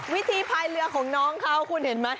พายเรือของน้องเขาคุณเห็นไหม